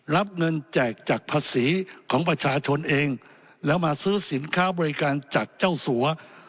รับเงินแจกจากภาษีของประชาชนเองแล้วมาซื้อสินค้าบริการจากเจ้าสัว